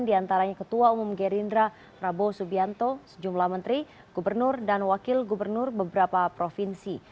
diantaranya ketua umum gerindra rabu subianto sejumlah menteri gubernur dan wakil gubernur beberapa provinsi